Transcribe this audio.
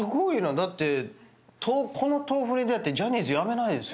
だってこの豆腐に出合ってジャニーズ辞めないですよ。